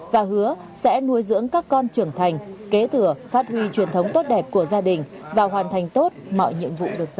và hứa sẽ nuôi dưỡng các con trưởng thành kế thừa phát huy truyền thống tốt đẹp của gia đình và hoàn thành tốt mọi nhiệm vụ được giao